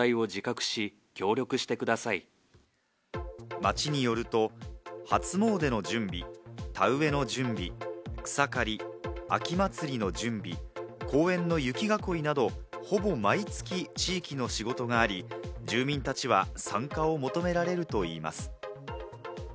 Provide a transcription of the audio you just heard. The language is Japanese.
町によると、初詣の準備、田植えの準備、草刈り、秋祭りの準備、公園の雪囲いなど、ほぼ毎月地域の仕事があり、住民たちは参加を求められるといいます。